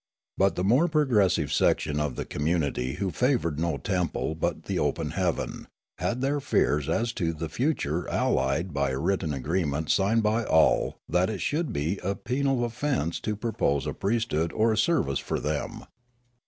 But the more progressive section of the community, who favoured no temple but the open heaven, had their fears as to the future allayed by a written agree ment signed by all that it should be a penal offence to propose a priesthood or a service for them.